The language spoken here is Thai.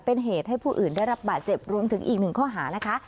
เป็นเหตุให้ผู้อื่นได้รับบาดเจ็บรวมถึงอีกหนึ่งข้อหานะคะ